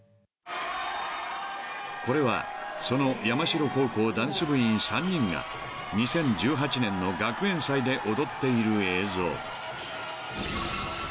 ［これはその山城高校ダンス部員３人が２０１８年の学園祭で踊っている映像］